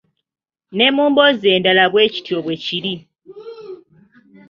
Ne mu mboozi endala bwe kityo bwe kiri